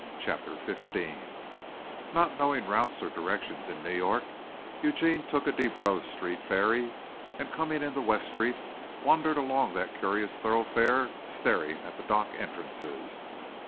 CHAPTER XV Not knowing routes or directions in New York, Eugene took a Desbrosses Street ferry, and coming into West Street wandered along that curious thoroughfare staring at the dock entrances.